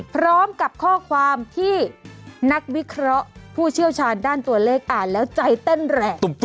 พร้อมกับข้อความที่นักวิเคราะห์ผู้เชี่ยวชาญด้านตัวเลขอ่านแล้วใจเต้นแรง